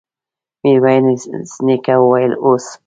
ميرويس نيکه وويل: اوس!